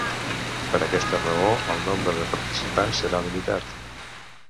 Per aquesta raó el nombre de participants serà limitat.